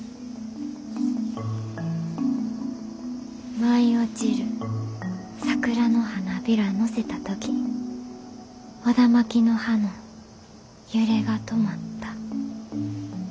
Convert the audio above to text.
「舞い落ちる桜の花片乗せたときオダマキの葉の揺れが止まった」。